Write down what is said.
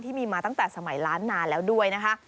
ที่มีมาตั้งแต่สมัยล้านนานแล้วด้วยนะคะ